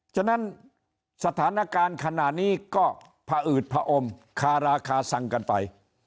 ฉะนั้นสถานการณ์ขณะนี้ก็ผอืดผอมคาราคาซังกันไป